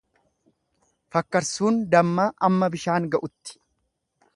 Fakkarsuun dammaa amma bishaan ga'utti.